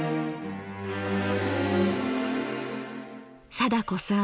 貞子さん